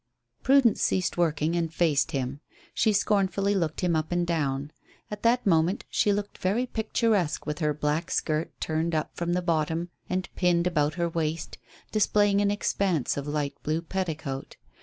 Prudence ceased working and faced him. She scornfully looked him up and down. At that moment she looked very picturesque with her black skirt turned up from the bottom and pinned about her waist, displaying an expanse of light blue petticoat.